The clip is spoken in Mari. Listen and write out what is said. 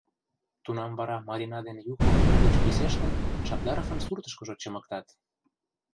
Тунам вара Марина ден Юхо, угыч писештын, Шабдаровын суртышкыжо, чымыктат.